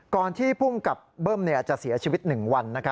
ก่อนที่ภูมิกับเบิ้มจะเสียชีวิต๑วัน